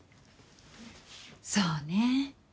そうね。